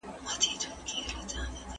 هغوی به په کتابتون کي مطالعه کوي.